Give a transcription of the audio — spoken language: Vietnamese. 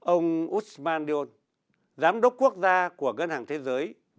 ông usman dion giám đốc quốc gia của ngân hàng thế giới tại việt nam cho rằng